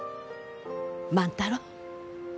万太郎。